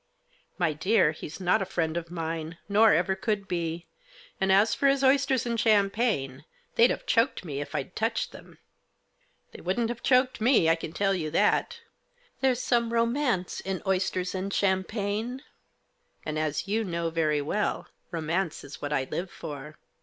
" My dear, he's not a friend of mine, nor ever could be; and as for his oysters and champagne, they'd have choked me if I'd touched them." " They wouldn't have choked me, I can tell you that. There is some romance in oysters and champagne, and, as you know very well, romance is what I live for.